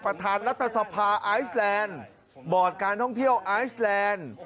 ประธานรัฐสภาไอซแลนด์บอร์ดการท่องเที่ยวไอซแลนด์